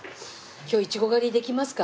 今日イチゴ狩りできますか？